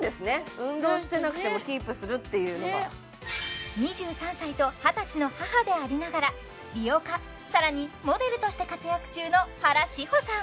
運動してなくてもキープするっていうのは２３歳と２０歳の母でありながら美容家さらにモデルとして活躍中の原志保さん